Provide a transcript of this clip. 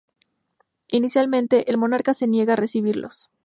Inicialmente, el monarca se niega a recibirlos.